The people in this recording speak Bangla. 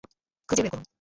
খুঁজে বের করুন।